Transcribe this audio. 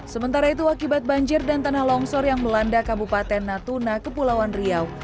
sementara itu akibat banjir dan tanah longsor yang melanda kabupaten natuna kepulauan riau